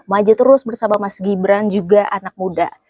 maju terus bersama mas gibran juga anak muda